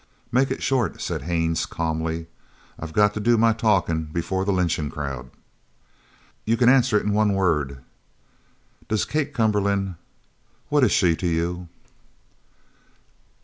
"Make it short," said Haines calmly. "I've got to do my talking before the lynching crowd." "You can answer it in one word. Does Kate Cumberland what is she to you?"